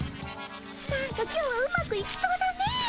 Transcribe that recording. なんか今日はうまくいきそうだね。